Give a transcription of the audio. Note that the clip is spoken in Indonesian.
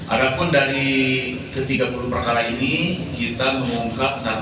ada pun dari tiga puluh perkara ini kita mengungkap narkoba